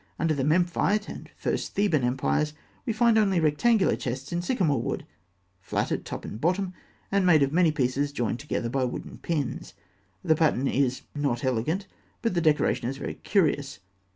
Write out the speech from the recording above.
Under the Memphite and first Theban empires, we find only rectangular chests in sycamore wood, flat at top and bottom, and made of many pieces joined together by wooden pins. The pattern is not elegant, but the decoration is very curious.